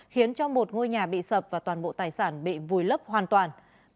khiến cho một ngôi nhà bị sập và toàn bộ tài sản bị vùi lấp hoàn toàn